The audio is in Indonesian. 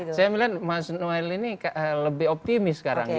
tapi saya melihat mas noel ini lebih optimis sekarang